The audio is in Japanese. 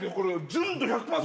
純度１００％。